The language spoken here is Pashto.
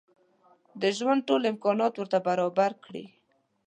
د ژوند ټول امکانات ورته برابر کړي.